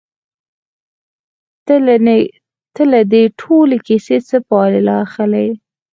ته له دې ټولې کيسې څه پايله اخلې؟